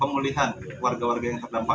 pemulihan warga warga yang terdampak